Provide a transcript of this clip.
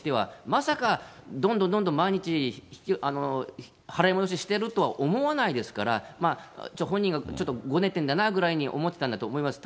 まさかどんどんどんどん毎日、払い戻ししてるとは思わないですから、本人がちょっとごねてるんだなぐらいに思ってたんだと思います。